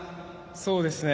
そうですね